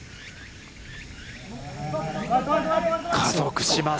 加速します。